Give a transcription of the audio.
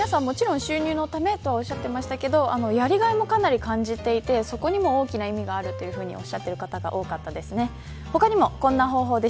皆さん、もちろん収入のためとおっしゃっていましたがやりがいもかなり感じていてそこにも大きな意味があるとおっしゃっている方が多かったです。